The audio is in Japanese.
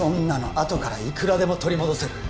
あとからいくらでも取り戻せる